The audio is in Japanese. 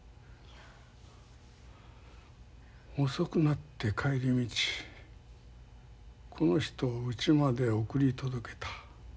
遅くなって帰り道この人をうちまで送り届けた。